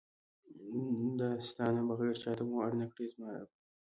دا ستا نه بغیر چاته مو اړ نکړې زما ربه!